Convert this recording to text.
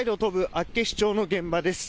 厚岸町の現場です。